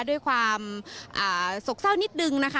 ด้วยความโศกเศร้านิดนึงนะคะ